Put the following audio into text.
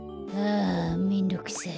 あめんどくさい。